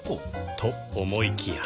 と思いきや